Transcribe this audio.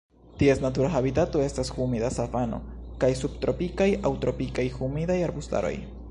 Ties natura habitato estas humida savano kaj subtropikaj aŭ tropikaj humidaj arbustaroj.